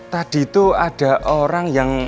tadi itu ada orang yang